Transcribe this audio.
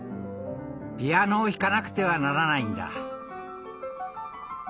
ピアノを弾かなくてはならないんだ。